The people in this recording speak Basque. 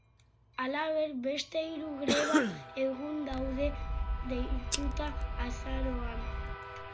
Halaber, beste hiru greba egun daude deituta azaroan.